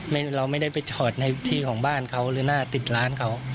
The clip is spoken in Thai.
เราไม่ได้ไปจอดในที่ของบ้านเขาหรือหน้าติดร้านเขา